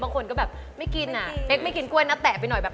บางคนก็แบบไม่กินอ่ะเป๊กไม่กินกล้วยนะแตะไปหน่อยแบบ